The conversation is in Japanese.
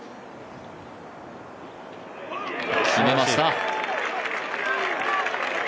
決めました。